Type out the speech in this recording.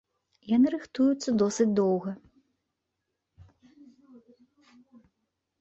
Яны рыхтуюцца досыць доўга.